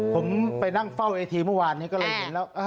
ผมไปนั่งเฝ้าไอทีเมื่อวานนี้ก็เลยเห็นแล้ว